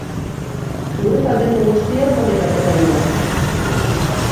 Gure taldeko guztiak onik atera dira.